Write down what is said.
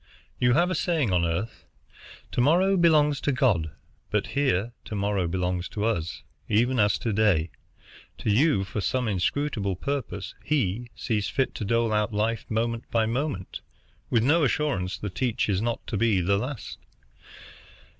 You have a saying on earth, 'To morrow belongs to God;' but here to morrow belongs to us, even as to day. To you, for some inscrutable purpose, He sees fit to dole out life moment by moment, with no assurance that each is not to be the last.